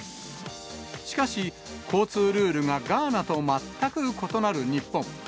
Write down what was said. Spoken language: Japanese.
しかし、交通ルールがガーナと全く異なる日本。